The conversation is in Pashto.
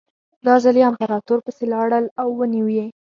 دا ځل یې امپراتور پسې لاړل او ونیو یې.